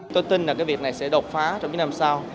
tôi tin là cái việc này sẽ đột phá trong những năm sau